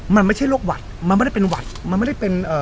มันไม่ใช่โรคหวัดมันไม่ได้เป็นหวัดมันไม่ได้เป็นเอ่อ